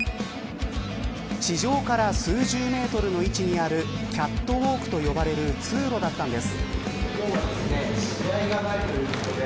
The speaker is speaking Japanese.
地上から数十メートルの位置にあるキャットウォークと呼ばれる通路だったんです。